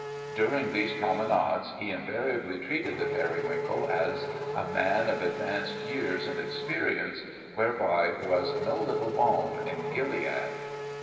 During these promenades he invariably treated the Periwinkle as a man of advanced years and experience, whereby was no little balm in Gilead.